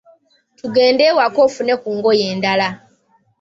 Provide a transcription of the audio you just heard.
Tugende ewaka ofune ku ngoye endala.